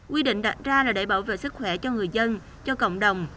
quy định đặt ra là để bảo vệ sức khỏe cho người dân cho cộng đồng